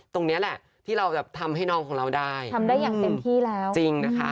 ตรงนี้แหละที่เราแบบทำให้น้องของเราได้ทำได้อย่างเต็มที่แล้วจริงนะคะ